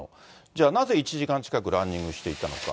じゃあなぜ１時間近くランニングしていたのか。